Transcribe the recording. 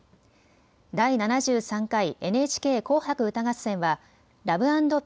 第７３回ＮＨＫ紅白歌合戦はＬＯＶＥ